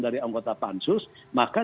dari anggota pansus maka